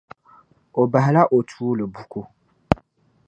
O bahila o tuuli buku.